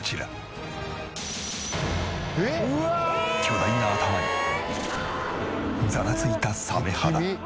巨大な頭にざらついたサメ肌。